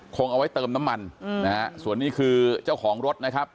คงเอาไว้เติมน้ำมันนะฮะส่วนนี้คือเจ้าของรถนะครับ